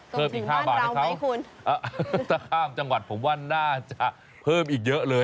เพิ่มอีก๕บาทนะครับถ้าข้ามจังหวัดผมว่าน่าจะเพิ่มอีกเยอะเลย